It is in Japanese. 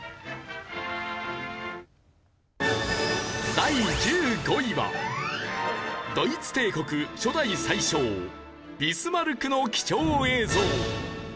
第１５位はドイツ帝国初代宰相ビスマルクの貴重映像。